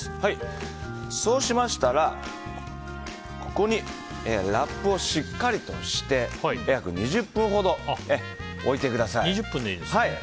そうしましたらここにラップをしっかりとして約２０分ほど、置いてください。